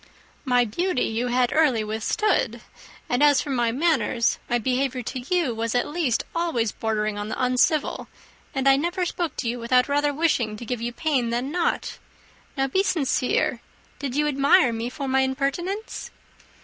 "My beauty you had early withstood, and as for my manners my behaviour to you was at least always bordering on the uncivil, and I never spoke to you without rather wishing to give you pain than not. Now, be sincere; did you admire me for my impertinence?"